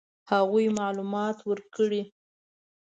هغوی معلومات ورکړي.